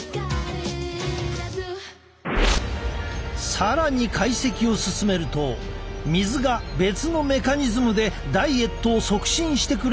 更に解析を進めると水が別のメカニズムでダイエットを促進してくれる方法を発見。